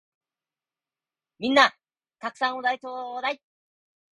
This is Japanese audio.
皆んな沢山お題ちょーだい！